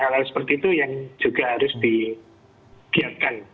nah hal hal seperti itu yang juga harus dibiarkan